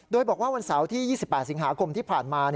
โดยบอกว่าวันเสาร์ที่๒๘สิงหาคมที่ผ่านมา